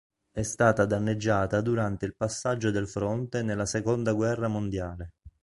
È stata danneggiata durante il passaggio del fronte nella seconda guerra mondiale.